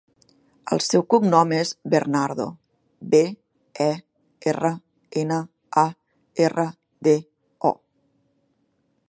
El seu cognom és Bernardo: be, e, erra, ena, a, erra, de, o.